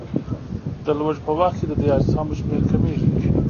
د لوږې په وخت کې د دې اجسامو شمېر کمیږي.